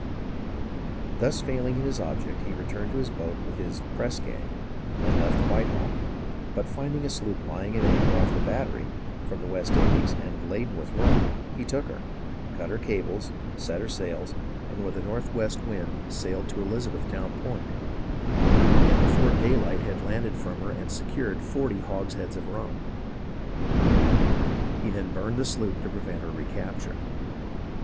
Thus failing in his object, he returned to his boat with his press gang and left Whitehall ; but finding a sloop lying at anchor off the Bat tery, from the West Indies, and laden with rum, he took her, cut her cables, set her sails, and with a northeast wind SUFFERINGS OF THE COMMON PEOPLE 283 sailed to Elizabethtown Point ; and before daylight had landed from her and secured forty hogsheads of rum. He then burned the sloop to prevent her recapture."